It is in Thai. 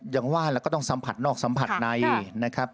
ยังว่าแล้วก็ต้องสัมผัสนอกสัมผัสในนะครับ